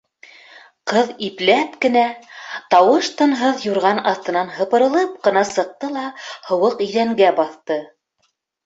Ҡыҙ ипләп кенә, тауыш-тынһыҙ юрған аҫтынан һыпырылып ҡына сыҡты ла һыуыҡ иҙәнгә баҫты.